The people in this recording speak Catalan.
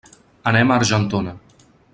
Anem a Argentona.